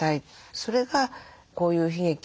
それがこういう悲劇をなくす。